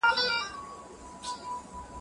حکومتونه ولي په ځينو سوداګريو ماليې زياتوي؟